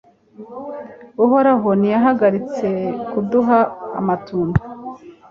Uhoraho ntiyahagaritse kuduha amatunda.